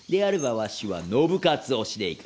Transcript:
ワシは信雄推しでいく。